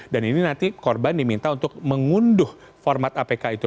dan ini nanti korban diminta untuk mengunduh format apk itu